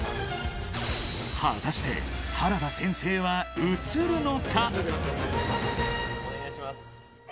果たして、原田先生は映るのか。